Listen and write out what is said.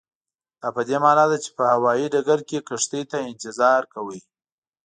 دا پدې معنا ده چې په هوایي ډګر کې کښتۍ ته انتظار کوئ.